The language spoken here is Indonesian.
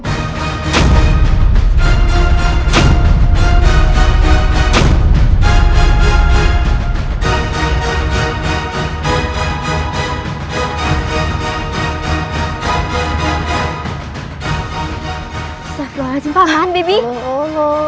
mereka berada di tangga hadir